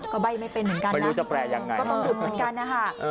ก็ใบ้ไม่เป็นเหมือนกันนะก็ต้องหยุ่นเหมือนกันนะฮะไม่รู้จะแปลอย่างไง